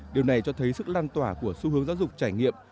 điều này cho thấy sức lan tỏa của xu hướng giáo dục trải nghiệm